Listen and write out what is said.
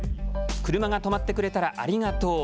車が止まってくれたらありがとう。